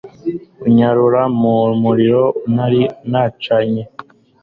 unyarura mu muriro ntari nacanye